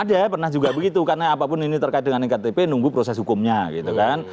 ada ya pernah juga begitu karena apapun ini terkait dengan iktp nunggu proses hukumnya gitu kan